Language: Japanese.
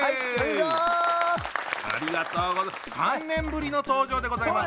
３年ぶりの登場でございます。